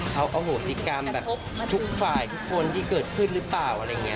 เขาอโหสิกรรมแบบทุกฝ่ายทุกคนที่เกิดขึ้นหรือเปล่าอะไรอย่างนี้